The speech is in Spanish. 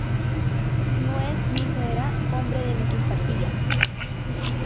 No es ni será hombre de mi simpatía.